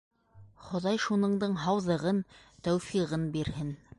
Хоҙай шуныңдың һауҙығын, тәүфиғын бирһен!